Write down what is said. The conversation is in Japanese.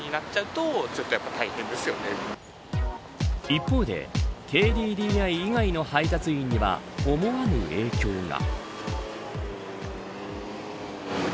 一方でＫＤＤＩ以外の配達員には思わぬ影響が。